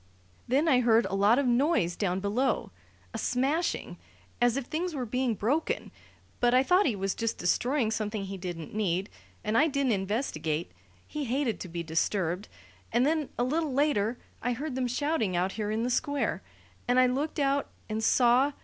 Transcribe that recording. Then I heard a lot of noise down below a smashing as if things were being broken. But I thought he was just destroying something he didn't need, and I didn't investigate: he hated to be disturbed. And then, a little later, I heard them shouting out here in the Square, and I looked out and saw.